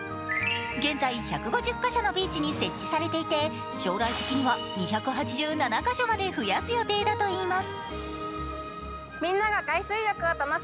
現在１５０か所のビーチに設置されていて将来的には２８７か所まで増やす予定だといいます。